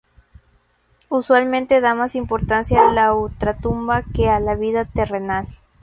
Usualmente da más importancia a la ultratumba que a la vida terrenal.